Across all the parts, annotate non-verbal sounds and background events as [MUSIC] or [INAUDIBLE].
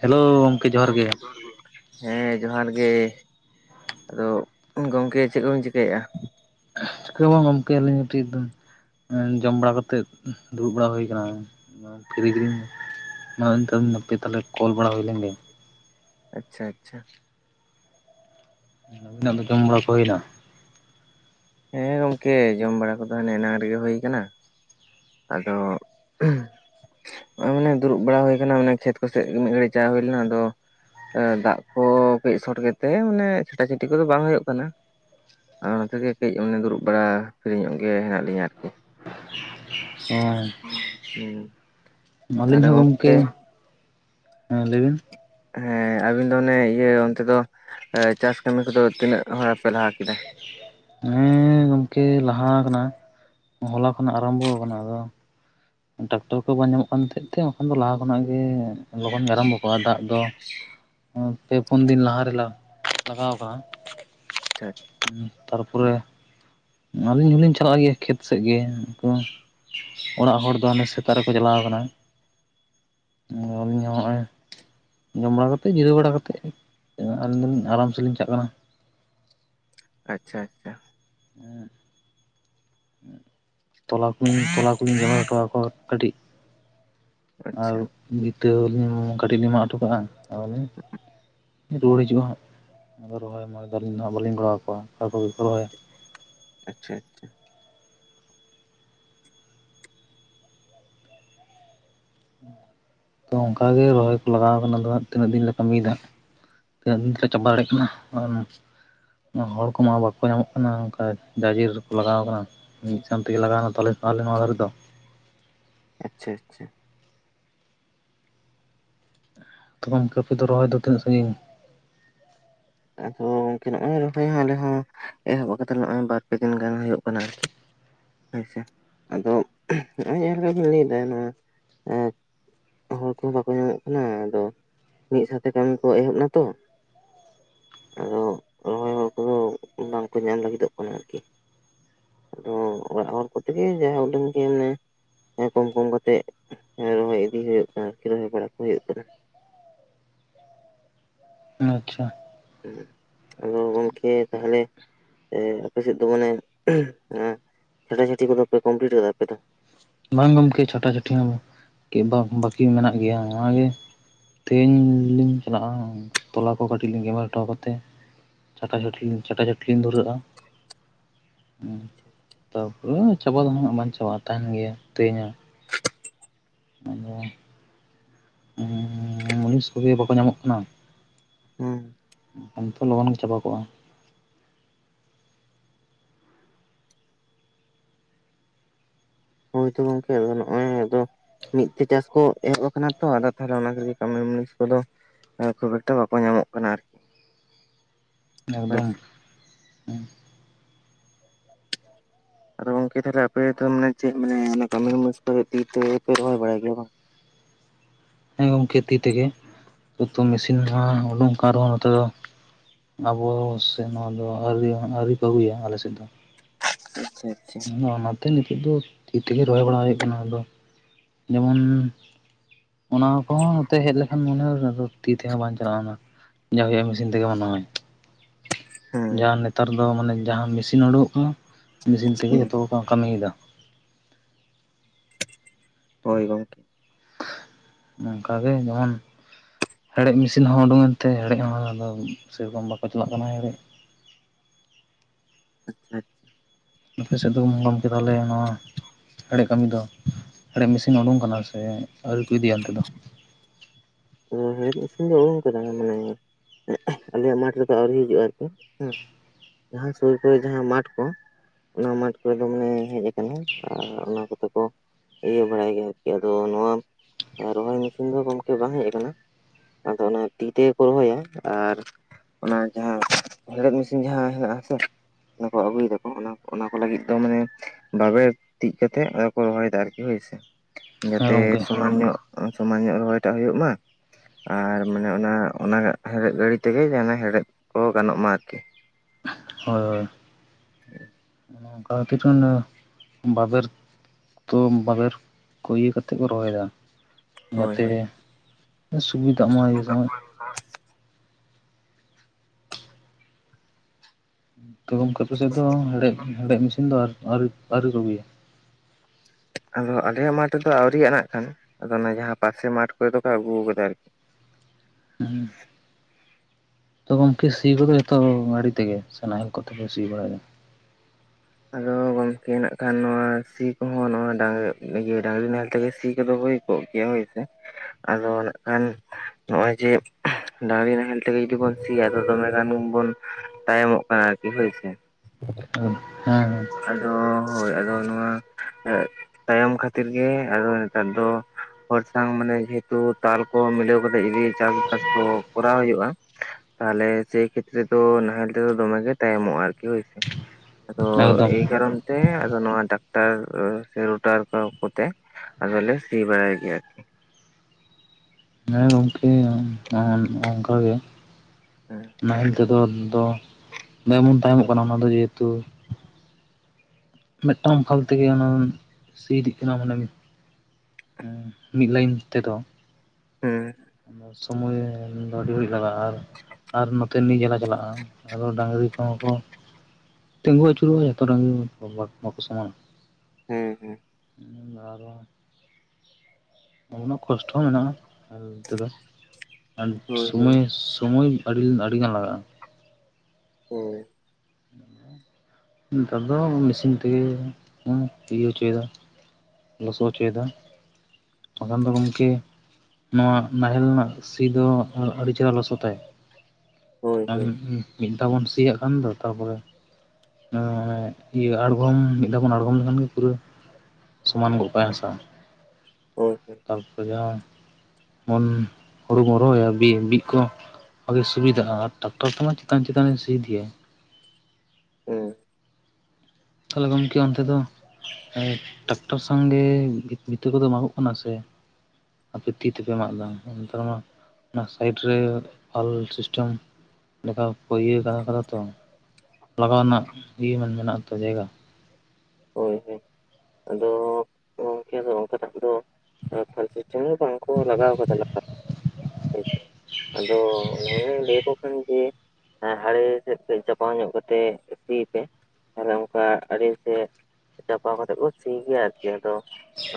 Hello ᱜᱚᱢᱠᱮ ᱦ ᱡᱚᱦᱟᱨ ᱜᱮ [INAUDIBLE] ᱦᱮᱸ, ᱡᱚᱦᱟᱨ ᱜᱮ᱾ ᱟᱫᱚ ᱜᱚᱝᱠᱮ ᱪᱮᱫ ᱠᱚᱵᱤᱱ ᱪᱤᱠᱟᱹᱭᱮᱜ-ᱟ? ᱪᱤᱠᱟᱹ ᱦᱚᱸ ᱵᱟᱝ ᱜᱚᱝᱠᱮ ᱟᱹᱞᱤᱧ ᱴᱤᱡ ᱫᱚ᱾ ᱦᱮᱸ, ᱡᱚᱢ ᱵᱟᱲᱟ ᱠᱟᱛᱮ ᱫᱩᱲᱩᱵ ᱵᱟᱲᱟ ᱦᱩᱭ ᱠᱟᱱᱟ᱾ ᱢᱟ ᱱᱤᱛ ᱯᱷᱤᱨᱤ ᱜᱮ ᱞᱤᱧ ᱢᱟ ᱱᱤᱛ ᱦᱟᱯᱮ ᱛᱟᱦᱚᱞᱮ ᱠᱚᱞ ᱵᱟᱲᱟ ᱦᱩᱭ ᱞᱮᱱ ᱜᱮ᱾ ᱟᱪᱪᱷᱟ ᱟᱪᱪᱷᱟ᱾ ᱟᱵᱤᱱᱟᱜ ᱫᱚ ᱡᱚᱢ ᱵᱟᱲᱟ ᱠᱚ ᱦᱩᱭᱮᱱᱟ? ᱦᱮᱸ ᱜᱚᱢᱠᱮ ᱡᱚᱢ ᱵᱟᱲᱟ ᱠᱚᱫᱚ ᱦᱟᱱᱮ ᱮᱱᱟᱝ ᱨᱮᱜᱮ ᱦᱩᱭ ᱠᱟᱱᱟ᱾ ᱟᱫᱚ᱾ ᱢᱟᱱᱮ ᱫᱩᱲᱩᱵ ᱵᱟᱲᱟ ᱦᱩᱭ ᱠᱟᱱᱟ ᱢᱟᱱᱮ ᱠᱷᱮᱛ ᱠᱚᱥᱮᱫ ᱜᱮ ᱢᱤᱫ ᱜᱷᱟᱹᱲᱤᱡ ᱪᱟ ᱦᱩᱭ ᱞᱮᱱᱟ ᱟᱫᱚ ᱫᱟᱜ ᱠᱚ ᱠᱟᱹᱡ ᱥᱚᱴ ᱜᱮᱛᱮ ᱢᱟᱱᱮ ᱪᱷᱟᱸᱴᱟ ᱪᱷᱟᱸᱴᱤ ᱠᱚᱫᱚ ᱵᱟᱝ ᱦᱩᱭᱩᱜ ᱠᱟᱱᱟ᱾ ᱟᱫᱚ ᱱᱚᱛᱮᱜᱮ ᱠᱟᱹᱡ ᱢᱟᱱᱮ ᱫᱩᱲᱩᱵ ᱵᱟᱲᱟ ᱯᱷᱤᱨᱤᱧᱚᱜ ᱜᱮ ᱦᱮᱱᱟᱜ ᱞᱤᱧᱟᱹ ᱟᱨᱠᱤ᱾ ᱚᱸ᱾ ᱦᱩᱸ ᱟᱹᱞᱤᱧ ᱦᱚᱸ ᱜᱚᱝᱠᱮ, ᱦᱮᱸ ᱞᱟᱹᱭ ᱵᱤᱱ᱾ ᱦᱮᱸ ᱟᱵᱤᱱ ᱫᱚ ᱚᱱᱮ ᱤᱭᱟᱹ ᱚᱱᱛᱮ ᱫᱚ ᱪᱟᱥ ᱠᱟᱹᱢᱤ ᱠᱚᱫᱚ ᱛᱤᱱᱟᱹᱜ ᱦᱚᱲᱟ ᱯᱮ ᱞᱟᱦᱟ ᱠᱮᱫᱟ? ᱦᱮᱸ ᱜᱚᱝᱠᱮ ᱞᱟᱦᱟ ᱟᱠᱟᱱᱟ ᱦᱚᱞᱟ ᱠᱷᱚᱱᱟᱜ ᱟᱨᱟᱢᱵᱷᱚ ᱟᱠᱟᱱᱟ ᱟᱫᱚ᱾ ᱴᱟᱠᱴᱚᱨ ᱠᱚ ᱵᱟᱝ ᱧᱟᱢᱚᱜ ᱠᱟᱱ ᱛᱟᱦᱮᱸᱫ ᱛᱮ ᱵᱟᱠᱷᱟᱱ ᱫᱚ ᱞᱟᱦᱟ ᱠᱷᱚᱱᱟᱜ ᱜᱮ ᱞᱚᱜᱚᱱ ᱜᱮ ᱟᱨᱟᱢᱵᱷᱚ ᱠᱚᱜᱼᱟ᱾ ᱫᱟᱜ ᱫᱚ ᱯᱮ ᱯᱩᱱ ᱫᱤᱱ ᱞᱟᱦᱟ ᱨᱮᱞᱮ ᱞᱟᱜᱟᱣ ᱠᱟᱜᱼᱟ᱾ ᱟᱪᱪᱷᱟ ᱛᱟᱨ ᱯᱚᱨᱮ᱾ ᱟᱹᱞᱤᱧ ᱦᱩᱞᱤᱧ ᱪᱟᱞᱟᱜ ᱜᱮᱭᱟ ᱠᱷᱮᱛ ᱥᱮᱫ ᱜᱮ ᱩᱱᱠᱩ ᱚᱲᱟᱜ ᱦᱚᱲ᱾ ᱦᱟᱱᱮ ᱥᱮᱛᱟᱜ ᱨᱮᱠᱚ ᱪᱟᱞᱟᱣ ᱟᱠᱟᱱᱟ ᱟᱞᱤᱧ ᱦᱚᱸ ᱦᱚᱸᱜ ᱚᱭ ᱡᱚᱢ ᱵᱟᱲᱟ ᱠᱟᱛᱮᱫ ᱡᱤᱨᱟᱹᱣ ᱵᱟᱲᱟ ᱠᱟᱛᱮᱫ ᱟᱹᱞᱤᱧ ᱫᱚᱞᱤᱧ ᱟᱨᱟᱢ ᱥᱮᱫ ᱞᱤᱧ ᱪᱟᱞᱟᱜ ᱠᱟᱱᱟ᱾ ᱟᱪᱪᱷᱟ ᱟᱪᱪᱷᱟ᱾ [UNINTELLIGIBLE] ᱛᱚᱞᱟ ᱠᱚᱞᱤᱧ ᱛᱚᱞᱟ ᱠᱚᱞᱤᱧ ᱜᱮᱢᱮᱨ ᱚᱴᱚᱣ ᱟᱠᱚᱣᱟ ᱠᱟᱹᱴᱤᱡ᱾ ᱟᱨ ᱟᱪᱪᱷᱟ ᱵᱷᱤᱛᱟᱹ ᱦᱚᱸᱞᱤᱧ ᱠᱟᱹᱴᱤᱡ ᱞᱤᱧ ᱢᱟᱜ ᱦᱚᱴᱚ ᱠᱟᱜᱼᱟ ᱟᱞᱤᱧ᱾ ᱨᱩᱣᱟᱹᱲ ᱦᱤᱡᱩᱜᱼᱟ ᱦᱟᱸᱜ ᱟᱫᱚ ᱨᱚᱦᱚᱭ ᱢᱚᱦᱚᱭ ᱫᱚ ᱟᱹᱞᱤᱧ ᱫᱚ ᱦᱟᱸᱜ ᱵᱟᱹᱞᱤᱧ ᱜᱚᱲᱚᱣ ᱟᱠᱚᱣᱟ ᱟᱠᱟ ᱜᱮᱠᱚ ᱨᱚᱦᱚᱭᱟ᱾ ᱟᱪᱪᱷᱟ ᱟᱪᱪᱷᱟ᱾ ᱛᱚ ᱚᱱᱠᱟᱜᱮ ᱨᱚᱦᱚᱭ ᱠᱚ ᱞᱟᱜᱟᱣ ᱟᱠᱟᱱᱟ ᱟᱫᱚ ᱦᱟᱸᱜ ᱛᱤᱱᱟᱹᱜ ᱫᱤᱱ ᱞᱮ ᱠᱟᱹᱢᱤ ᱮᱫᱟ ᱦᱟᱸᱜ᱾ ᱛᱤᱱᱟᱹᱜ ᱫᱤᱱ ᱛᱮᱞᱮ ᱪᱟᱵᱟ ᱫᱟᱲᱮᱭᱟᱜ ᱠᱟᱱᱟ᱾ ᱦᱚᱲ ᱠᱚᱢᱟ ᱵᱟᱠᱚ ᱧᱟᱢᱚᱜ ᱠᱟᱱᱟ ᱚᱱᱠᱟ ᱡᱟᱨ ᱡᱮᱨ ᱨᱮᱠᱚ ᱞᱟᱜᱟᱣ ᱟᱠᱟᱱᱟ, ᱢᱤᱫ ᱥᱟᱶ ᱛᱮᱜᱮ ᱞᱟᱜᱟᱣ ᱦᱚᱸ ᱛᱟᱦᱚᱞᱮ ᱟᱞᱮ ᱱᱚᱣᱟ ᱫᱷᱟᱨᱮ ᱫᱚ᱾ ᱟᱪᱪᱷᱟ ᱟᱪᱪᱷᱟ᱾ ᱛᱚ ᱜᱚᱢᱠᱮ ᱟᱯᱮ ᱫᱚ ᱨᱚᱦᱚᱭ ᱫᱚ ᱛᱤᱱᱟᱹᱜ ᱥᱟᱺᱜᱤᱧ? ᱟᱫᱚ ᱜᱚᱢᱠᱮ ᱱᱚᱜ ᱚᱭ ᱨᱚᱦᱚᱭ ᱦᱚᱸ ᱟᱞᱮ ᱦᱚᱸ ᱮᱦᱚᱵ ᱠᱟᱫᱟᱞᱮ ᱱᱚᱜ ᱚᱭ ᱵᱟᱨ ᱯᱮ ᱫᱤᱱ ᱜᱟᱱ ᱦᱩᱭᱩᱜ ᱠᱟᱱᱟ ᱟᱨᱠᱤ᱾ ᱟᱪᱪᱷᱟ ᱟᱫᱚ ᱱᱚᱜᱼᱚᱭ ᱡᱟᱦᱟᱸ ᱞᱮᱠᱟ ᱵᱤᱱ ᱞᱟᱹᱭᱫᱟ ᱱᱚᱣᱟ ᱦᱚᱲ ᱠᱚᱦᱚᱸ ᱵᱟᱠᱚ ᱧᱟᱢᱚᱜ ᱠᱟᱱᱟ ᱟᱫᱚ ᱢᱤᱜ ᱥᱟᱣᱛᱮ ᱠᱟᱹᱢᱤ ᱠᱚ ᱮᱦᱚᱵ ᱮᱱᱟ ᱛᱚ ᱟᱫᱚ ᱨᱚᱦᱚᱭ ᱦᱚᱲ ᱠᱚᱫᱚ ᱵᱟᱝᱠᱚ ᱧᱟᱢ ᱞᱟᱹᱜᱤᱫᱚᱜ ᱠᱟᱱᱟ ᱟᱨᱠᱤ᱾ ᱚ ᱚᱲᱟᱜ ᱦᱚᱲ ᱠᱚᱛᱮ ᱜᱮ ᱡᱟᱦᱟᱸ ᱩᱰᱟᱹᱝ ᱜᱮ ᱢᱟᱱᱮ ᱠᱚᱢ ᱠᱚᱢ ᱠᱟᱛᱮᱜ ᱨᱚᱦᱚᱭ ᱤᱫᱤ ᱦᱩᱭᱩᱜ ᱠᱟᱱᱟ ᱟᱨᱠᱤ ᱨᱚᱦᱚᱭ ᱵᱟᱲᱟ ᱠᱚ ᱦᱩᱭᱩᱜ ᱠᱟᱱᱟ᱾ ᱟᱪᱪᱷᱟ ᱟᱫᱚ ᱜᱚᱝᱠᱮ ᱛᱟᱦᱟᱞᱮ ᱮ ᱟᱯᱮᱥᱮᱫ ᱫᱚ ᱢᱟᱱᱮ ᱪᱷᱟᱴᱟᱪᱷᱟᱴᱤ ᱠᱚᱫᱚ ᱯᱮ ᱠᱚᱢᱯᱞᱤᱴ ᱠᱟᱫᱟ ᱟᱯᱮ ᱫᱚ? ᱵᱟᱝ ᱜᱚᱢᱠᱮ ᱪᱷᱟᱴᱟ ᱪᱷᱟᱹᱴᱤ ᱦᱚᱸ ᱵᱟᱹᱠᱤ ᱢᱮᱱᱟᱜ ᱜᱮᱭᱟ ᱚᱱᱟᱜᱮ ᱛᱮᱦᱮᱧ ᱞᱤᱧ ᱪᱟᱞᱟᱜᱼᱟ ᱛᱚᱞᱟ ᱠᱚ ᱠᱟᱹᱴᱤᱡ ᱞᱤᱧ ᱜᱮᱢᱮᱨ ᱦᱚᱴᱚᱣᱟ ᱠᱚᱛᱮ ᱪᱷᱟᱴᱟ ᱪᱷᱟᱴᱤ ᱞᱤᱧ ᱪᱷᱟᱴᱟ ᱪᱷᱟᱴᱤ ᱞᱤᱧ ᱫᱷᱩᱨᱟᱹᱜᱼᱟ᱾ ᱦᱩᱸ ᱛᱟᱯᱚᱨᱮ ᱪᱟᱵᱟ ᱫᱚ ᱦᱟᱸᱜ ᱵᱟᱝ ᱪᱟᱵᱟᱜᱼᱟ ᱛᱟᱦᱮᱱ ᱜᱮᱭᱟ ᱛᱮᱦᱮᱧᱟ ᱚᱫᱚ ᱢᱩᱱᱤᱥ ᱠᱚᱜᱮ ᱵᱟᱠᱚ ᱧᱟᱢᱚᱜ ᱠᱟᱱᱟ᱾ ᱦᱮᱸ ᱵᱟᱠᱷᱟᱱ ᱛᱚ ᱞᱚᱜᱚᱱ ᱜᱮ ᱪᱟᱵᱟ ᱠᱚᱜᱼᱟ᱾ ᱦᱳᱭᱱᱛᱚ ᱜᱚᱝᱠᱮ ᱟᱫᱚ ᱱᱚᱜᱼᱚᱭ ᱟᱫᱚ ᱢᱤᱫ ᱛᱮ ᱪᱟᱥ ᱠᱚ ᱮᱦᱚᱵ ᱟᱠᱟᱱᱟ ᱛᱚ ᱟᱫᱚ ᱛᱟᱦᱞᱮ ᱚᱱᱟ ᱛᱮᱜᱮ ᱠᱟᱹᱢᱤ ᱢᱩᱱᱤᱥ ᱠᱚᱫᱚ ᱟᱸ ᱠᱷᱩᱵ ᱮᱠᱴᱟ ᱵᱟᱠᱚ ᱧᱟᱢᱚᱜ ᱠᱟᱱᱟ ᱟᱨᱠᱤ᱾ ᱦᱳᱭ ᱮᱠᱫᱚᱢ ᱥᱮ ᱦ [UNINTELLIGIBLE] ᱟᱫᱚ ᱜᱚᱝᱠᱮ ᱛᱟᱦᱞᱮ ᱟᱯᱮ ᱫᱚ ᱢᱟᱱᱮ ᱪᱮᱜ ᱢᱟᱱᱮ ᱚᱱᱟ ᱠᱟᱹᱢᱤ ᱨᱮ [UNINTELLIGIBLE] ᱛᱤ ᱛᱮᱯᱮ ᱨᱚᱦᱚᱭ ᱵᱟᱲᱟᱭ ᱜᱮᱭᱟ ᱵᱟᱝ? ᱦᱮᱸ ᱜᱚᱝᱠᱮ ᱛᱤ ᱛᱮᱜᱮ, ᱯᱚᱛᱛᱷᱚᱢ ᱢᱮᱥᱤᱱ ᱱᱚᱣᱟ ᱩᱰᱩᱝ ᱠᱟᱱ ᱨᱮᱦᱚᱸ ᱱᱟᱛᱮ ᱫᱚ ᱟᱵᱚ ᱥᱮᱜ ᱱᱚᱣᱟ ᱫᱚ ᱟᱹᱨᱤ ᱟᱹᱨᱤ ᱠᱚ ᱟᱹᱜᱩᱭᱟ ᱟᱞᱮᱥᱮᱫ ᱫᱚ᱾ [UNINTELLIGIBLE] ᱱᱚᱣᱟ ᱢᱟᱛᱮ ᱱᱤᱛᱚᱜ ᱫᱚ ᱛᱤ ᱛᱮᱜᱮ ᱨᱚᱦᱚᱭ ᱵᱟᱲᱟ ᱦᱩᱭᱩᱜ ᱠᱟᱱᱟ᱾ ᱟᱫᱚ ᱡᱮᱢᱚᱱ ᱚᱱᱟ ᱠᱚᱦᱚᱸ ᱱᱚᱛᱮ ᱦᱮᱡ ᱞᱮᱠᱷᱟᱱ ᱢᱚᱱᱮ [UNINTELLIGIBLE] ᱛᱤ ᱛᱮᱦᱚᱸ ᱵᱟᱝ ᱪᱟᱞᱟᱜᱼᱟᱱᱟ᱾ ᱡᱟ ᱦᱩᱭᱩᱜᱼᱟ ᱢᱤᱥᱤᱱ ᱛᱮᱜᱮ ᱢᱚᱱᱮᱦᱟᱭ᱾ ᱦᱮᱸ ᱡᱟᱦᱟᱸ ᱱᱮᱛᱟᱨ ᱫᱚ ᱢᱟᱱᱮ ᱡᱟᱦᱟᱸ ᱢᱤᱥᱤᱱ ᱩᱰᱩᱠᱚᱜ ᱠᱟᱱᱟ ᱢᱤᱥᱤᱱ ᱛᱮᱜᱮ ᱦᱩᱸ ᱡᱷᱚᱛᱚ ᱠᱚ ᱠᱟᱹᱢᱤᱭ ᱫᱟ᱾ ᱦᱳᱭ ᱜᱚᱝᱠᱮ᱾ ᱱᱚᱝᱠᱟᱜᱮ ᱡᱮᱢᱚᱱ ᱦᱮᱲᱦᱮᱜ ᱢᱤᱥᱤᱱ ᱦᱚᱸ ᱩᱰᱩᱜ ᱮᱱᱛᱮ ᱦᱮᱲᱮᱜ ᱦᱚᱲ ᱟᱫᱚ ᱥᱮᱨᱚᱠᱚᱢ ᱵᱟᱠᱚ ᱪᱟᱞᱟᱜ ᱠᱟᱱᱟ ᱦᱮᱲᱦᱮᱜ᱾ [UNINTELLIGIBLE] ᱟᱯᱮ ᱥᱮᱜ ᱫᱚ ᱜᱚᱝᱠᱮ ᱛᱟᱦᱟᱞᱮ ᱱᱚᱣᱟ, ᱦᱮᱲᱮᱜ ᱠᱟᱹᱢᱤ ᱫᱚ ᱦᱮᱰᱮᱜ ᱢᱤᱥᱤᱱ ᱩᱰᱩᱝ ᱠᱟᱱᱟ ᱥᱮ ᱟᱹᱣᱨᱤ ᱠᱚ ᱤᱫᱤᱭᱟ ᱚᱱᱛᱮ ᱫᱚ? ᱦᱮᱲᱮᱜ ᱢᱤᱥᱤᱱ ᱫᱚ ᱳᱰᱳᱝ ᱠᱟᱱᱟ ᱢᱟᱱᱮ ᱟᱞᱮᱭᱟᱜ ᱢᱟᱴᱷ ᱨᱮᱫᱚ ᱟᱹᱣᱨᱤ ᱦᱤᱡᱩᱜᱼᱟ᱾ ᱡᱟᱦᱟᱸᱭ ᱥᱳᱨ ᱠᱚᱨᱮ ᱡᱟᱦᱟᱸ ᱢᱟᱴᱷ ᱠᱚ ᱚᱱᱟ ᱢᱟᱴᱷ ᱠᱚᱨᱮ ᱫᱚ ᱢᱚᱱᱮ ᱦᱮᱡ ᱠᱟᱱᱟ ᱟᱨ ᱚᱱᱟ ᱠᱚᱛᱮ ᱠᱚ ᱤᱭᱟᱹ ᱵᱟᱲᱟᱭ ᱜᱮᱭᱟ ᱟᱨᱠᱤ ᱟᱫᱚ ᱱᱚᱣᱟ, ᱨᱚᱦᱚᱭ ᱢᱤᱥᱤᱱ ᱫᱚ ᱜᱚᱝᱠᱮ ᱵᱟᱝ ᱦᱮᱡ ᱠᱟᱱᱟ? ᱟᱫᱚ ᱚᱱᱟ ᱛᱤ ᱛᱮᱜᱮ ᱠᱚ ᱨᱚᱦᱚᱭᱟ᱾ ᱟᱨ ᱚᱱᱟ ᱡᱟᱦᱟᱸ ᱦᱮᱸᱰᱦᱮᱫ ᱢᱤᱥᱤᱱ ᱡᱟᱦᱟᱸ ᱦᱮᱱᱟᱜ ᱟᱥᱮ ᱚᱱᱟ ᱠᱚ ᱟᱹᱜᱩᱭ ᱫᱟᱠᱚ ᱚᱱᱟ ᱚᱱᱟ ᱠᱚ ᱞᱟᱹᱜᱤᱫ ᱫᱚ ᱢᱟᱱᱮ ᱵᱟᱵᱮᱨ ᱛᱤᱡ ᱠᱟᱛᱮᱜ ᱟᱫᱚ ᱠᱚ ᱨᱚᱦᱚᱭ ᱫᱟ ᱟᱨᱠᱤ ᱦᱮᱸᱥᱮ᱾ ᱦᱮᱸ ᱡᱟᱛᱮ ᱜᱚᱢᱠᱮ ᱥᱚᱢᱟᱱ ᱧᱚᱜ ᱥᱚᱢᱟᱱ ᱧᱚᱜ ᱨᱚᱦᱚᱭᱴᱟᱜ ᱦᱩᱭᱩᱜᱭ ᱢᱟ᱾ ᱟᱨ ᱢᱟᱱᱮ ᱚᱱᱟ ᱚᱱᱟ ᱦᱮᱲᱦᱮᱫ ᱜᱟᱹᱲᱤ ᱛᱮᱜᱮ ᱡᱮᱱᱚ ᱦᱮᱲᱦᱮᱫ ᱠᱚ ᱜᱟᱱᱚᱜ ᱢᱟ ᱟᱨᱠᱤ᱾ ᱦᱳᱭ ᱦᱳᱭ᱾ [UNINTELLIGIBLE] ᱚᱱᱮ ᱚᱝᱠᱟ ᱠᱤᱪᱷᱩᱱ [UNINTELLIGIBLE] ᱫᱚ ᱵᱟᱵᱮᱨ ᱛᱮ᱾ ᱛᱚ ᱵᱟᱵᱮᱨ, ᱠᱚ ᱤᱭᱟᱹ ᱠᱟᱛᱮᱫ ᱠᱚ ᱨᱚᱦᱚᱭᱮᱫᱟ᱾ ᱦᱳᱭ ᱡᱟᱛᱮ ᱦᱳᱭ ᱥᱩᱵᱤᱫᱟᱜ ᱢᱟ ᱤᱭᱟᱹ ᱥᱚᱢᱚᱭ᱾ ᱛ ᱜᱚᱢᱠᱮ ᱟᱯᱮᱥᱮᱫ ᱫᱚ ᱦᱮᱰᱮᱡ ᱦᱮᱰᱮᱡ ᱢᱤᱥᱤᱱ ᱫᱚ ᱟᱨ ᱟᱹᱣᱨᱤ ᱟᱹᱣᱨᱤ ᱠᱚ ᱟᱹᱜᱩᱭᱟ᱾ ᱟᱫᱚ ᱟᱞᱮᱭᱟᱜ ᱢᱟᱴᱷ ᱨᱮᱫᱚ ᱟᱹᱣᱨᱤᱭᱟᱜ ᱱᱟᱜ ᱠᱷᱟᱱ ᱟᱫᱚ ᱚᱱᱟ ᱡᱟᱦᱟᱸ ᱯᱟᱥᱮ ᱢᱟᱴᱷ ᱠᱚᱨᱮ ᱫᱚ ᱠᱚ ᱟᱹᱜᱩ ᱠᱟᱫᱟ ᱟᱨᱠᱤ᱾ ᱦᱩᱸ ᱛᱚ ᱜᱚᱢᱠᱮ ᱥᱤ ᱠᱚᱫᱚ ᱡᱚᱛᱚ ᱜᱟᱹᱰᱤ ᱛᱮᱜᱮ ᱥᱮ ᱱᱟᱦᱮᱞ ᱠᱚᱛᱮ ᱠᱚ ᱥᱤ ᱵᱟᱲᱟᱭᱮᱫᱟ? ᱟᱫᱚ ᱜᱚᱢᱠᱮ ᱱᱟᱜ ᱠᱷᱟᱱ ᱱᱚᱣᱟ ᱥᱤ ᱠᱚᱦᱚᱸ ᱱᱚᱣᱟ ᱰᱟᱝ ᱤᱭᱟᱹ ᱰᱟᱝᱨᱤ ᱱᱟᱦᱮᱞ ᱛᱮᱜᱮ ᱥᱤ ᱠᱚᱫᱚ ᱦᱳᱭ ᱠᱚᱜ [UNINTELLIGIBLE] ᱦᱳᱭᱥᱮ ᱟᱫᱚ ᱱᱟᱜ ᱠᱷᱟᱱ ᱱᱚᱜᱼᱚᱭ ᱡᱮ ᱰᱟᱝᱨᱤ ᱱᱟᱦᱮᱞ ᱛᱮᱜᱮ ᱡᱩᱫᱤ ᱵᱚᱱ ᱥᱤᱭᱟ ᱟᱫᱚ ᱫᱚᱢᱮ ᱜᱟᱱ ᱵᱚᱱ ᱛᱟᱭᱚᱢᱚᱜ ᱵᱟᱠᱤᱥ [UNINTELLIGIBLE] [UNINTELLIGIBLE] ᱦᱮᱸᱮᱸ [UNINTELLIGIBLE] ᱟᱫᱚ ᱦᱳᱭ ᱟᱫᱚ ᱱᱚᱣᱟ ᱛᱟᱭᱚᱢ ᱠᱷᱟᱹᱛᱤᱨ ᱜᱮ ᱟᱫᱚ ᱱᱮᱛᱟᱨ ᱫᱚ, ᱦᱚᱲ ᱥᱟᱝ ᱢᱟᱱᱮ ᱡᱮᱦᱮᱛᱩ ᱛᱟᱞ ᱠᱚ ᱢᱤᱞᱟᱹᱣ ᱠᱟᱛᱮᱜ ᱡᱩᱫ‌ᱤ‌ ᱜᱮ ᱪᱟᱥᱵᱟᱥ ᱠᱚ ᱠᱚᱨᱟᱣ ᱦᱩᱭᱩᱜᱼᱟ᱾ ᱛᱟᱦᱚᱞᱮ ᱥᱮᱭ ᱠᱷᱮᱛᱨᱮ ᱫᱚ ᱱᱟᱦᱮᱞ ᱛᱮᱫᱚ ᱫᱚᱢᱮᱜ ᱜᱮ ᱛᱟᱭᱚᱢᱚᱜᱼᱟ ᱟᱨᱠᱤ ᱦᱳᱭᱥᱮ᱾ ᱛᱚ ᱮᱠᱫᱚᱢ ᱮᱭ ᱠᱟᱨᱚᱱ ᱛᱮ ᱟᱫᱚ ᱱᱚᱣᱟ ᱰᱟᱠᱛᱟᱨ ᱥᱮ ᱨᱳᱴᱟᱨ ᱠᱚ ᱠᱚᱛᱮ ᱟᱫᱚ ᱞᱮ ᱥᱤ ᱵᱟᱲᱟᱭ ᱜᱮᱭᱟ‌ ᱟᱨᱠᱤ᱾ ᱜᱚᱝᱠᱮ ᱚᱱ-ᱚᱱᱠᱟ ᱜᱮ᱾ ᱱᱟᱦᱮᱞ ᱛᱮᱫᱚ ᱫᱚ ᱫᱚᱢᱮ ᱵᱚᱱ ᱛᱟᱭᱚᱢᱚᱜ ᱠᱟᱱᱟ ᱚᱱᱟ ᱫᱚ ᱡᱮᱦᱮᱛᱩ ᱢᱤᱫᱴᱟᱝ ᱯᱷᱟᱞ ᱛᱮᱜᱮ ᱚᱱᱟ ᱫᱚ ᱥᱤ ᱤᱫᱤᱜ ᱠᱟᱱᱟ ᱢᱚᱱᱮ ᱢᱤᱫ ᱞᱟᱭᱤᱱ ᱛᱮᱫᱚ᱾ ᱦᱮᱸ᱾ ᱥᱚᱢᱚᱭ ᱫᱚ ᱟᱹᱰᱤ ᱜᱷᱟᱲᱤᱡ ᱞᱟᱜᱟᱜᱼᱟ ᱟᱨ ᱟᱨ ᱱᱚᱛᱮ ᱱᱤᱡᱟᱹᱞᱟ ᱪᱟᱞᱟᱜᱼᱟ ᱟᱫᱚ ᱰᱟᱝᱨᱤ ᱠᱚᱦᱚᱸ ᱠᱚ ᱛᱤᱸᱜᱩ ᱟᱹᱪᱩᱨᱚᱜᱼᱟ ᱡᱷᱚᱛᱚ ᱰᱟᱝᱨᱤ ᱵᱟᱠ ᱵᱟᱠ ᱵᱟᱠᱚ ᱥᱚᱢᱟᱱᱚᱜ-ᱟ᱾ ᱦᱮᱸ ᱦᱮᱸ᱾ ᱟᱫᱚ ᱱᱟᱦᱜ ᱠᱚᱥᱴᱚ ᱦᱚᱸ ᱢᱮᱱᱟᱜᱼᱟ᱾ [UNINTELLIGIBLE] ᱦᱳᱭ ᱦᱳᱭ ᱥᱚᱢᱚᱭ ᱥᱚᱢᱚᱭ ᱟᱹᱰᱤᱱ ᱟᱹᱰᱤ ᱟᱹᱰᱤᱜᱟᱱ ᱞᱟᱜᱟᱜᱼᱟ᱾ ᱚ᱾ ᱱᱮᱛᱟᱨ ᱫᱚ ᱚ ᱢᱮᱥᱤᱱ ᱛᱮᱜᱮ ᱵᱚᱱ ᱤᱭᱟᱹ ᱦᱚᱪᱚᱭᱮᱫᱟ᱾ ᱞᱚᱥᱚ ᱦᱚᱪᱚᱭᱮᱫᱟ ᱵᱟᱝᱠᱷᱟᱱ ᱫᱚ ᱜᱚᱝᱠᱮ ᱱᱚᱣᱟ ᱱᱟᱦᱮᱞ ᱨᱮᱱᱟᱜ ᱥᱤ ᱫᱚ ᱟ-ᱟᱹᱰᱤ ᱪᱮᱦᱨᱟ ᱞᱚᱥᱚᱛᱟᱭ᱾ ᱦᱳᱭ ᱟᱨ ᱦᱳᱭ ᱢᱤᱫ ᱫᱷᱟᱣ ᱵᱚᱱ ᱥᱤᱭᱟᱜ ᱠᱟᱱ ᱫᱚ ᱛᱟᱨᱯᱚᱨᱮ ᱟᱫᱚ ᱢᱟᱱᱮ ᱤᱭᱟᱹ ᱟᱬᱜᱚᱢ ᱢᱤᱫ ᱫᱷᱟᱣ ᱵᱚᱱ ᱟᱬᱜᱚᱢ ᱞᱮᱠᱷᱟᱱ ᱜᱮ ᱯᱩᱨᱟᱹ ᱥᱚᱢᱟᱱ ᱜᱚᱜ ᱠᱟᱜ-ᱟᱭ ᱦᱟᱥᱟ᱾ ᱦᱳᱭ ᱦᱳᱭ᱾ ᱛᱟᱨᱯᱚᱨᱮ ᱡᱟᱦᱟᱸᱱ ᱵᱚᱱ ᱦᱩᱲᱩ ᱵᱚᱱ ᱨᱚᱦᱚᱭᱟ ᱵᱤ ᱵᱤᱫ ᱠᱚ-ᱼ ᱵᱷᱟᱜᱮ ᱥᱩᱵᱤᱫᱟᱜᱼᱟ ᱟᱨ ᱴᱟᱠᱴᱟᱨ ᱛᱮᱢᱟ ᱪᱮᱛᱟᱱ ᱪᱮᱛᱟᱱ ᱮ ᱥᱤ ᱤᱫᱤᱭᱟ᱾ ᱦᱮᱸ᱾ ᱛᱟᱦᱚᱞᱮ ᱜᱚᱢᱠᱮ ᱚᱱᱛᱮ ᱫᱚ ᱮᱭ ᱴᱨᱟᱠᱴᱚᱨ ᱥᱚᱝᱜᱮ ᱵᱷᱤ-ᱵᱷᱤᱛᱟᱹ ᱠᱚᱫᱚ ᱢᱟᱝᱚᱜ ᱠᱟᱱᱟ ᱥᱮ ᱟᱯᱮ ᱛᱤ ᱛᱮᱯᱮ ᱢᱟᱜ ᱮᱫᱟ᱾ ᱱᱮᱛᱟᱨ ᱢᱟ ᱚᱱᱟ ᱥᱟᱭᱤᱴ ᱨᱮ ᱯᱷᱟᱞ ᱥᱤᱥᱴᱮᱢ ᱞᱮᱠᱟ ᱠᱚᱠᱚ ᱤᱭᱟᱹ ᱟᱠᱟᱟ ᱠᱟᱫᱟ ᱛᱚ᱾ ᱞᱟᱜᱟᱣ ᱱᱟᱜ ᱤᱭᱟᱹ ᱢᱮᱱ-ᱢᱮᱱᱟᱜ ᱟᱛᱚ ᱡᱟᱭᱜᱟ᱾ ᱦᱳᱭ ᱦᱳᱭ ᱟᱫᱚ ᱜᱚᱝᱠᱮ ᱫᱚ ᱚᱱᱠᱟ ᱴᱟᱜ ᱫᱚ [UNINTELLIGIBLE] ᱵᱟᱝᱠᱚ ᱞᱟᱜᱟᱣ ᱠᱟᱫᱟ ᱞᱟᱜ ᱟᱫᱚ ᱞᱟᱹᱭ ᱦᱚᱸ ᱞᱟᱹᱭ ᱟᱠᱚ ᱠᱷᱟᱱ ᱡᱮ ᱦᱮᱸ ᱟᱲᱮ ᱥᱮᱫ ᱠᱟᱹᱡ ᱪᱟᱯᱟᱣ ᱧᱚᱜ ᱠᱟᱛᱮᱜ ᱥᱤᱭ ᱯᱮ ᱛᱟᱦᱞᱮ ᱚᱱᱠᱟ ᱟᱲᱮ ᱥᱮᱫ ᱪᱟᱯᱟᱣ ᱠᱟᱛᱮ ᱠᱚ ᱥᱤ ᱜᱮᱭᱟ ᱟᱨᱠᱤ ᱟᱫᱚ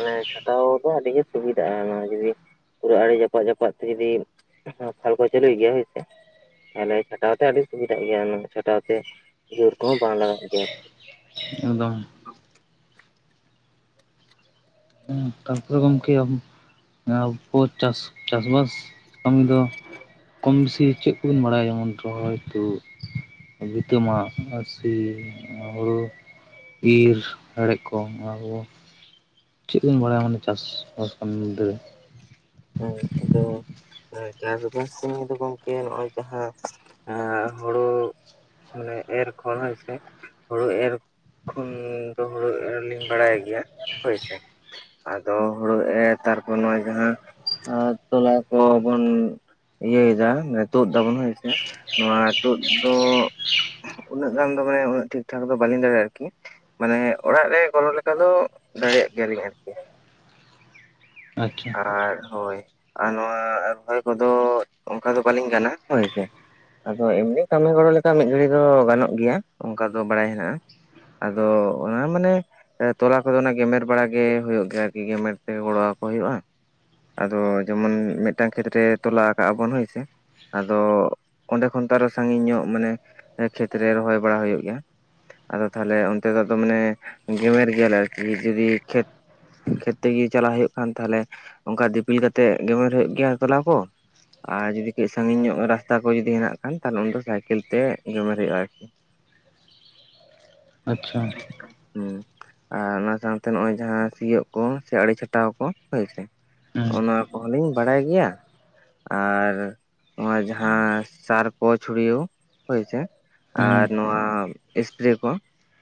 ᱢᱟᱱᱮ ᱪᱷᱟᱠᱟᱣ ᱫᱚ ᱟᱹᱰᱤ ᱜᱮ ᱥᱩᱵᱤᱫᱟᱜᱼᱟ ᱚᱱᱟ ᱡᱩᱫᱤ ᱯᱩᱨᱟᱹ ᱟᱲᱮ ᱡᱟᱯᱟᱜᱫ ᱡᱟᱯᱟᱜ ᱛᱮ ᱡᱩᱫᱤ ᱯᱷᱟᱞᱠᱚ ᱪᱟᱹᱞᱩᱭ ᱜᱮᱭᱟ ᱦᱳᱭ ᱥᱮ᱾ ᱛᱟᱦᱚᱞᱮ ᱪᱷᱟᱴᱟᱣ ᱛᱮ ᱟᱹᱰᱤ ᱥᱩᱵᱤᱫᱟᱜ ᱜᱮᱭᱟ, ᱟᱱᱟ ᱫᱚ ᱪᱷᱟᱴᱟᱣ ᱛᱮ ᱡᱳᱨ ᱠᱚᱦᱚᱸ ᱵᱟᱝ ᱞᱟᱜᱟᱜ ᱜᱮᱭᱟ᱾ ᱮᱠᱫᱚᱢ᱾ ᱦᱩᱸ ᱛᱟᱨᱯᱚᱨᱮ ᱜᱚᱢᱠᱮ ᱟᱢ ᱟᱵᱚ ᱪᱟᱥ ᱪᱟᱥᱵᱟᱥ ᱠᱟᱹᱢᱤ ᱫᱚ ᱠᱚᱢ ᱵᱮᱥᱤ ᱪᱮᱫ ᱠᱚᱵᱤᱱ ᱵᱟᱲᱟᱭᱟ ᱡᱮᱢᱚᱱ ᱨᱚᱦᱚᱭ ᱛᱩᱫ ᱵᱦᱤᱛᱟᱹ ᱢᱟᱜ ᱟᱨ ᱥᱤ ᱟᱨ ᱦᱳᱲᱳ ᱤᱨ ᱦᱮᱸᱲᱮᱫ ᱠᱚ ᱚᱱᱟ ᱠᱚᱫᱚ ᱪᱮᱫ ᱵᱤᱱ ᱵᱟᱲᱟᱭᱟ ᱢᱟᱱᱮ ᱪᱟᱥ-ᱵᱟᱥ ᱠᱟᱹᱢᱤ ᱢᱩᱫᱽ ᱨᱮ? ᱦᱮᱸ ᱦᱮᱸ ᱪᱟᱥᱵᱟᱥ ᱥᱩᱢᱟᱹᱭ ᱫᱚ ᱜᱚᱝᱠᱮ ᱦᱚᱸᱜᱼᱚᱭ ᱡᱟᱦᱟᱸ ᱮᱸ ᱦᱳᱲᱳ ᱢᱟᱱᱮ ᱮᱨ ᱠᱷᱚᱱ ᱦᱳᱭ [UNINTELLIGIBLE] ᱦᱳᱲᱳ ᱮᱨ ᱠᱷᱚᱱ ᱫᱚ ᱦᱳᱲᱳ ᱮᱨᱞᱤᱧ ᱵᱟᱲᱟᱭ ᱜᱮᱭᱟ ᱦᱳᱭ ᱥᱮ᱾ ᱟᱫᱚ ᱦᱳᱲᱳ ᱮᱨ ᱛᱟᱨᱯᱚᱨ ᱱᱚᱜ-ᱚᱭ ᱡᱟᱦᱟᱸ ᱟ ᱛᱚᱞᱟ ᱠᱚᱦᱚᱵᱚᱱ ᱤᱭᱟᱹᱭ ᱫᱟ ᱛᱩᱫ ᱫᱟᱵᱚᱱ ᱦᱳᱭ ᱥᱮ, ᱱᱚᱣᱟ ᱛᱳᱫ ᱫᱚ ᱩᱱᱟᱹᱜ ᱜᱟᱱ ᱫᱚ ᱢᱟᱱᱮ ᱩᱱᱟᱹᱜ ᱴᱷᱤᱠ ᱴᱷᱟᱠ ᱫᱚ ᱵᱟᱹᱞᱤᱧ ᱫᱟᱲᱮᱭᱟᱜᱼᱟ ᱟᱨᱠᱤ᱾ ᱢᱟᱱᱮ ᱚᱲᱟᱜ ᱨᱮ ᱜᱚᱞᱚ ᱞᱮᱠᱟ ᱫᱚ ᱫᱟᱲᱮᱭᱟᱜ ᱜᱮᱭᱟᱞᱤᱧ ᱟᱨᱠᱤ᱾ ᱟᱪᱪᱷᱟ᱾ ᱟᱨ ᱦᱳᱭ ᱟᱨ ᱱᱚᱣᱟ ᱨᱚᱦᱚᱭ ᱠᱚᱫᱚ ᱚᱱᱠᱟ ᱫᱚ ᱵᱟᱹᱞᱤᱧ ᱜᱟᱱᱟ ᱦᱳᱭ ᱥᱮ᱾ ᱟᱫᱚ ᱮᱢᱱᱤ ᱠᱟᱹᱢᱤ ᱜᱚᱲᱚ ᱞᱮᱠᱟ ᱢᱤᱫ ᱜᱷᱟᱹᱲᱤ ᱫᱚ ᱜᱟᱱᱚᱜ ᱜᱮᱭᱟ ᱚᱱᱠᱟ ᱫᱚ ᱵᱟᱲᱟᱭ ᱦᱮᱱᱟᱜᱼᱟ᱾ ᱟᱫᱚ ᱚᱱᱟ ᱢᱟᱱᱮ ᱥᱮ ᱛᱚᱞᱟ ᱠᱚᱫᱚ ᱚᱱᱮ ᱜᱮᱢᱮᱨ ᱵᱟᱲᱟ ᱜᱮ ᱦᱩᱭᱩᱜ ᱜᱮᱭᱟ ᱟᱨᱠᱤ, ᱜᱮᱢᱮᱨ ᱛᱮ ᱜᱚᱲᱚ ᱟᱠᱚ ᱦᱩᱭᱩᱜᱼᱟ᱾ ᱟᱫᱚ ᱡᱮᱢᱚᱱ ᱢᱮᱫᱴᱟᱝ ᱠᱷᱮᱛ ᱨᱮ ᱛᱚᱞᱟ ᱟᱠᱟᱜ-ᱟ ᱵᱚᱱ ᱦᱳᱭ ᱥᱮ ᱟᱫᱚᱻ ᱚᱸᱰᱮ ᱠᱷᱚᱱ ᱛᱚ ᱟᱨᱚ ᱥᱟᱺᱜᱤᱧ ᱧᱚᱜ ᱢᱟᱱᱮ ᱠᱷᱮᱛᱨᱮ ᱨᱚᱦᱚᱭ ᱵᱟᱲᱟ ᱦᱩᱭᱩᱜ ᱜᱮᱭᱟ᱾ ᱟᱫᱚ ᱛᱟᱦᱚᱞᱮ ᱚᱱᱛᱮ ᱫᱚ ᱟᱫᱚ ᱢᱟᱱᱮ ᱜᱮᱢᱮᱨ ᱜᱮᱭᱟᱞᱮ ᱟᱨᱠᱤ ᱡᱩᱫᱤ ᱠᱷᱮᱛ ᱠᱷᱮᱛ ᱛᱮᱜᱮ ᱪᱟᱞᱟᱣ ᱦᱩᱭᱩᱜ ᱠᱷᱟᱱ, ᱛᱟᱦᱚᱞᱮ ᱚᱱᱠᱟ ᱫᱤᱯᱤᱞ ᱠᱟᱛᱮᱜ ᱜᱮᱢᱮᱨ ᱦᱩᱭᱩᱜ ᱜᱮᱭᱟ ᱛᱚᱞᱟ ᱠᱚ᱾ ᱟᱨ ᱡᱩᱫᱤ ᱠᱟᱹᱡ ᱥᱟᱺᱜᱤᱧ ᱧᱚᱜ ᱨᱟᱥᱛᱟ ᱠᱚ ᱡᱩᱫᱤ ᱦᱮᱱᱟᱜ ᱠᱷᱟᱱ, ᱛᱟᱦᱚᱞᱮ ᱩᱱ ᱫᱚ ᱥᱟᱭᱠᱮᱞ ᱛᱮ ᱜᱮᱢᱮᱨ ᱦᱩᱭᱩᱜᱼᱟ ᱟᱨ ᱟᱪᱪᱷᱟ᱾ ᱦᱮᱸ, ᱟᱨ ᱚᱱᱟ ᱥᱟᱶᱛᱮ ᱱᱚᱜᱼᱚᱭ ᱡᱟᱦᱟᱸ ᱥᱤᱭᱚᱜ ᱠᱚ ᱥᱮ ᱟᱲᱮ ᱪᱷᱟᱴᱟᱣ ᱠᱚ ᱦᱳᱭ ᱥᱮ ᱦᱮᱸ ᱦᱚᱸᱜ-ᱚ ᱱᱚᱣᱟ ᱠᱚᱦᱚᱸ ᱞᱤᱧ ᱵᱟᱲᱟᱭ ᱜᱮᱭᱟ᱾ ᱟᱨ ᱱᱚᱣᱟ ᱡᱟᱦᱟ ᱥᱟᱨ ᱠᱚ ᱪᱷᱩᱲᱤᱭᱟᱹᱣ ᱦᱳᱭ ᱥᱮ᱾ ᱦᱮᱸ ᱟᱨ ᱱᱚᱣᱟ ᱮᱥᱯᱮᱨᱮ ᱠᱚ᱾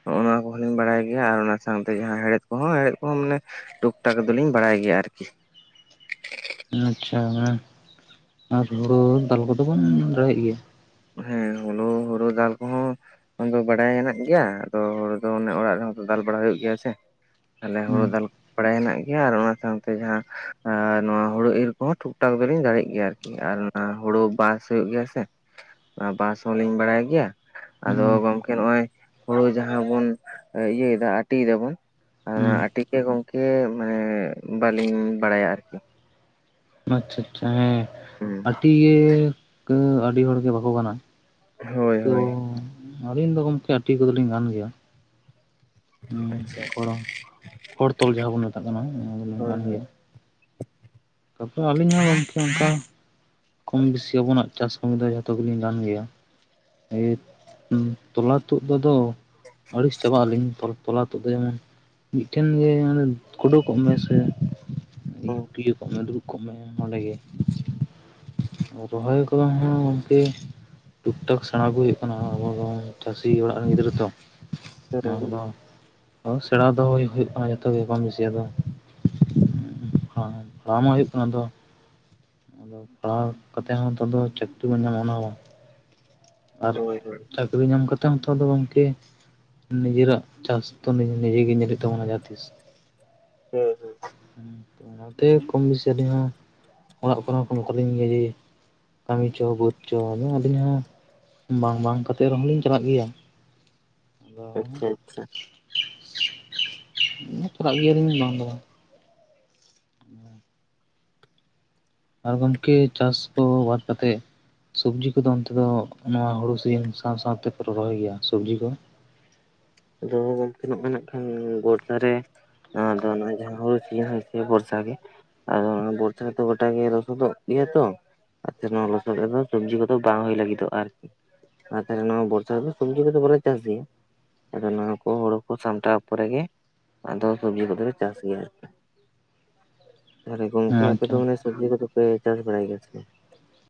ᱦᱚᱸᱜ-ᱚ ᱱᱚᱣᱟ ᱠᱚ ᱜᱤ ᱞᱤᱧ ᱵᱟᱲᱟᱭ ᱜᱮᱭᱟ ᱟᱨ ᱚᱱᱟ ᱥᱟᱶᱛᱮ ᱡᱟᱦᱟᱸ ᱦᱮᱲᱦᱮᱫ ᱠᱚᱦᱚᱸ ᱦᱮᱦᱮᱫ ᱠᱚᱦᱚᱸ ᱢᱟᱱᱮ ᱴᱩᱠ ᱴᱟᱠ ᱫᱚᱞᱤᱧ ᱵᱟᱲᱟᱭ ᱜᱮᱭᱟ ᱟᱨᱠᱤ᱾ ᱟᱪᱪᱷᱟ ᱦᱮᱸ, ᱟᱨ ᱦᱩᱲᱩ ᱫᱟᱞ ᱠᱚᱫᱚ ᱵᱚᱱ ᱫᱟᱲᱮᱜ ᱜᱮᱭᱟ? ᱦᱮᱸ ᱦᱩᱱᱩ ᱦᱳᱲᱳ ᱪᱟᱞ ᱠᱚ ᱦᱚᱸ ᱚᱱᱟᱫᱚ ᱵᱟᱰᱟᱭ ᱦᱮᱱᱟᱜ ᱜᱮᱭᱟ, ᱟᱫᱚ ᱦᱳᱲᱳ ᱫᱚ ᱚᱱᱮ ᱚᱲᱟᱜ ᱨᱮᱦᱚ ᱛᱚ ᱫᱟᱞ ᱵᱟᱲᱟ ᱦᱩᱭᱩᱜ ᱜᱮᱭᱟ ᱥᱮ᱾ ᱟᱞᱮ ᱦᱳᱲᱳ ᱦᱩᱸ ᱫᱟᱞ ᱵᱟᱲᱟᱭ ᱦᱮᱱᱟᱜ ᱜᱮᱭᱟ ᱟᱨ ᱚᱱᱟ ᱥᱟᱶᱛᱮ ᱡᱟᱦᱟᱸ ᱮᱸ ᱱᱚᱣᱟ ᱦᱩᱲᱩ ᱤᱨ ᱠᱚᱦᱚᱸ ᱴᱷᱩᱠᱴᱟᱠ ᱫᱚᱞᱤᱧ ᱫᱟᱲᱮᱜ ᱜᱮᱭᱟ ᱟᱨᱠᱤ᱾ ᱟᱨ ᱚᱱᱟ ᱦᱳᱲᱳ ᱵᱟᱥ ᱦᱩᱭᱩᱜ ᱜᱮᱭᱟ ᱥᱮ? ᱵᱟᱥ ᱦᱚᱸᱞᱤᱧ ᱵᱟᱲᱟᱭ ᱜᱮᱭᱟ᱾ ᱟᱫᱚ ᱦᱩᱸ ᱜᱚᱝᱠᱮ ᱱᱚᱜᱼᱚᱭ ᱦᱳᱲᱳ ᱡᱟᱦᱟᱸ ᱵᱚᱱ ᱤᱭᱟᱹᱭ ᱫᱟ ᱟᱹᱴᱤᱭ ᱫᱟᱵᱚᱱ᱾ ᱚᱱᱟ ᱦᱩᱸ ᱟᱹᱴᱤ ᱜᱮ ᱜᱚᱝᱠᱮ ᱢᱟᱱᱮ ᱵᱟᱞᱤᱧ ᱵᱟᱲᱟᱭᱟ ᱟᱨᱠᱤ᱾ ᱟᱪᱪᱷᱟ ᱟᱪᱪᱷᱟ ᱦᱮᱸ, ᱦᱩᱸ ᱟᱹᱴᱤ ᱜᱮ ᱟᱹᱰᱤ ᱦᱚᱲ ᱜᱮ ᱵᱟᱠᱚ ᱜᱟᱱᱟ᱾ ᱦᱳᱭ ᱛᱚ ᱦᱳᱭ᱾ ᱟᱹᱞᱤᱧ ᱫᱚ ᱜᱚᱢᱠᱮ ᱟᱹᱴᱤ ᱠᱚᱫᱚᱞᱤᱧ ᱜᱟᱱ ᱜᱮᱭᱟ᱾ ᱦᱩᱸ ᱟᱪᱪᱷᱟ᱾ ᱠᱷᱚᱲ ᱛᱚᱞ ᱡᱟᱦᱟᱸ ᱵᱚᱱ ᱢᱮᱛᱟᱜ ᱠᱟᱱᱟ ᱚᱱᱟ ᱫᱚ ᱦᱳᱭ ᱱᱝᱠᱟᱱ ᱦᱳᱭ ᱜᱮᱭᱟ᱾ ᱛᱟᱯᱚᱨ ᱟᱹᱞᱤᱧ ᱦᱚᱸ ᱜᱚᱢᱠᱮ ᱚᱱᱠᱟ᱾ ᱠᱚᱢ ᱵᱮᱥᱤ ᱟᱵᱚᱱᱟᱜ ᱪᱟᱥ ᱠᱟᱹᱢᱤ ᱫᱚ ᱡᱚᱛᱚ ᱜᱮᱞᱤᱧ ᱜᱟᱱ ᱜᱮᱭᱟ᱾ ᱛᱚᱞᱟ ᱛᱩᱫ ᱛᱚᱫᱚ ᱟᱹᱲᱤᱥ ᱪᱟᱵᱟᱜ ᱟᱹᱞᱤᱧ ᱛᱚᱞ ᱛᱚᱞᱟ ᱛᱚᱫ ᱫᱚ ᱡᱮᱢᱚᱱ ᱢᱤᱫᱴᱷᱮᱱ ᱜᱮ ᱢᱟᱱᱮ ᱠᱩᱰᱩ ᱠᱚᱜ ᱢᱮ ᱥᱮ ᱦᱩᱸ [UNINTELLIGIBLE] ᱠᱚᱜ ᱢᱮ, ᱫᱩᱲᱩᱵ ᱠᱚᱜ ᱢᱮ, ᱚᱸᱰᱮ ᱜᱮ᱾ ᱨᱚᱦᱚᱭ ᱠᱚ ᱦᱚᱸ ᱜᱚᱢᱠᱮ᱾ ᱴᱩᱠ ᱴᱟᱠ ᱥᱮᱸᱬᱟ ᱟᱜᱩᱭ ᱦᱩᱭᱩᱜ ᱠᱟᱱᱟ ᱟᱵᱚ ᱫᱚ ᱪᱟᱹᱥᱤ ᱚᱲᱟᱜ ᱨᱮᱱ ᱜᱤᱫᱽᱨᱟᱹ ᱛᱚ᱾ ᱚᱱᱟ ᱦᱩᱸ ᱠᱚᱫᱚ ᱥᱮᱬᱟ ᱫᱚ ᱦᱩᱭᱩᱜ ᱠᱟᱱᱟ ᱡᱚᱛᱚ ᱜᱮ ᱠᱚᱢ ᱵᱮᱥᱤ ᱟᱫᱚ᱾ [UNINTELLIGIBLE] ᱯᱟᱲᱦᱟᱣ ᱢᱟ ᱦᱩᱭᱩᱜ ᱠᱟᱱᱟ ᱟᱫᱚ, ᱟᱫᱚ ᱯᱟᱲᱦᱟᱣ ᱠᱟᱛᱮᱫ ᱦᱚᱸ ᱱᱮᱛᱟᱨ ᱫᱚ ᱪᱟᱹᱠᱨᱤ ᱵᱮᱱ ᱧᱟᱢᱟ ᱚᱱᱟ ᱦᱚᱸ ᱵᱟᱝ᱾ ᱟᱨ ᱦᱳᱭ ᱦᱳᱭ ᱦᱳᱭ ᱪᱟᱹᱠᱨᱤ ᱧᱟᱢ ᱠᱟᱛᱮᱫ [UNINTELLIGIBLE] ᱫᱚ ᱜᱚᱝᱠᱮ ᱱᱤᱡᱮᱨᱟᱜ ᱪᱟᱥ ᱫᱚ ᱱᱤᱡᱮ ᱜᱮ ᱧᱮᱞ ᱦᱚᱭᱩᱜ ᱛᱟᱵᱚᱱᱟ ᱡᱟᱦᱟᱸ ᱛᱤᱥ᱾ ᱦᱳᱭ [UNINTELLIGIBLE] ᱚᱱᱟᱛᱮ ᱠᱚᱢ ᱵᱮᱥᱤ ᱟᱹᱞᱤᱧ ᱦᱚᱸ ᱚᱲᱟᱜ ᱠᱚᱨᱮ ᱦᱚᱸ ᱠᱚ [UNINTELLIGIBLE] ᱠᱟᱹᱢᱤ ᱪᱚ, ᱵᱟᱹᱫᱽ ᱪᱚ, ᱟᱫᱚ ᱟᱹᱞᱤᱧ ᱦᱚᱸ ᱵᱟᱝ ᱵᱟᱝ ᱠᱟᱛᱮᱝ ᱨᱮᱦᱚᱸ ᱞᱤᱧ ᱪᱟᱞᱟᱜ ᱜᱮᱭᱟ᱾ ᱟᱪᱪᱷᱟ ᱟᱪᱪᱷᱟ᱾ ᱪᱟᱞᱟᱜ ᱜᱮᱭᱟᱞᱤᱧ ᱵᱟᱝ ᱫᱚ ᱵᱟᱝ᱾ [INAUDIBLE] ᱟᱨ ᱜᱚᱢᱠᱮ ᱪᱟᱥ ᱠᱚ ᱵᱟᱫ ᱠᱟᱛᱮᱫ ᱥᱚᱵᱽᱡᱤ ᱠᱚᱫᱚ ᱚᱱᱛᱮ ᱫᱚ ᱱᱚᱣᱟ ᱦᱩᱲᱩ ᱥᱤᱡᱤᱱ ᱥᱟᱶ ᱥᱟᱶ ᱛᱮᱯᱮ ᱨᱚᱦᱚᱭ ᱜᱮᱭᱟ ᱥᱚᱵᱽᱡᱤ ᱠᱚ? ᱟᱫᱚ ᱜᱚᱝᱠᱮ ᱱᱚᱜ-ᱚᱭ ᱱᱟᱜ ᱠᱷᱟᱱ ᱜᱚᱴ ᱫᱷᱟᱨᱮ ᱟᱫᱚ ᱚᱱᱟ ᱡᱟᱦᱟᱸ [UNINTELLIGIBLE] ᱥᱮ ᱵᱚᱨᱥᱟ ᱜᱮ, ᱟᱫᱚ ᱵᱚᱨᱥᱟ ᱨᱮᱛᱚ ᱜᱚᱴᱟ ᱜᱮ ᱨᱚᱥᱩᱫᱚᱜ ᱜᱮᱭᱟ ᱛᱚ᱾ ᱟᱪᱪᱷᱟ ᱱᱚᱣᱟ ᱞᱚᱥᱚᱫ ᱨᱮᱫᱚ ᱥᱚᱵᱽᱡᱤ ᱠᱚᱫᱚ ᱵᱟᱝ ᱦᱩᱭ ᱞᱟᱹᱜᱤᱫᱼᱟ ᱟᱨᱠᱤ᱾ ᱟᱨ ᱛᱟᱦᱚᱞᱮ ᱱᱚᱣᱟ ᱵᱚᱨᱥᱟ ᱨᱮᱫᱚ ᱥᱚᱵᱽᱡᱤ ᱠᱚᱫᱚ ᱵᱟᱞᱮ ᱪᱟᱥ ᱜᱮᱭᱟ᱾ ᱟᱫᱚ ᱱᱚᱣᱟ ᱠᱚ ᱦᱩᱲᱩ ᱠᱚ ᱥᱟᱢᱴᱟᱣ ᱯᱚᱨᱮ ᱜᱮ ᱟᱫᱚ ᱥᱚᱵᱽᱡᱤ ᱠᱚᱫᱚ ᱞᱮ ᱪᱟᱥ ᱜᱮᱭᱟ ᱟᱨᱠᱤ᱾ [UNINTELLIGIBLE] ᱛᱟᱦᱚᱞᱮ ᱦᱮᱸ ᱜᱚᱝᱠᱮ ᱟᱯᱮ ᱟᱪᱪᱷᱟ ᱫᱚ ᱢᱟᱱᱮ ᱥᱚᱵᱽᱡᱤ ᱠᱚᱫᱚ ᱯᱮ ᱪᱟᱥ ᱵᱟᱲᱟᱭ ᱜᱮᱭᱟ ᱥᱮ ᱪᱮᱫ?